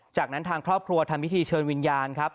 จากนั้นทางครอบครัวทำพิธีเชิญวิญญาณครับ